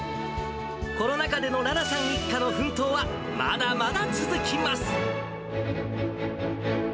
コロナ禍での羅名さん一家の奮闘はまだまだ続きます。